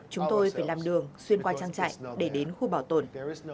chúng tôi phải làm đường xuyên qua trang trại để đến khu bảo tồn